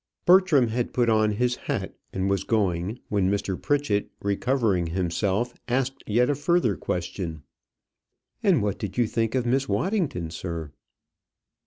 Bertram had put on his hat and was going, when Mr. Pritchett, recovering himself, asked yet a further question. "And what did you think of Miss Waddington, sir?"